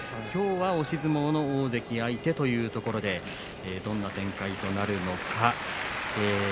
きょうは押し相撲の大関相手ということでどんな展開となるのか。